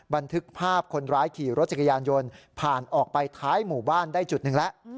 บันทึกภาพคนร้ายขี่รถจักรยานยนต์ผ่านออกไปท้ายหมู่บ้านได้จุดหนึ่งแล้ว